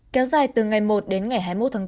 kéo dài từ ngày một đến ngày hai mươi một tháng bốn